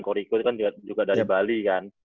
koriqo itu kan juga dari bali kan